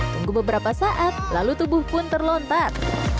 tunggu beberapa saat lalu tubuh pun terlontar